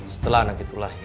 setelah anak itu lahir